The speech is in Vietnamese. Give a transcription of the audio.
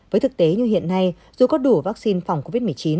với thực tế như hiện nay dù có đủ vắc xin phòng covid một mươi chín